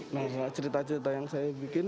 nah cerita cerita yang saya bikin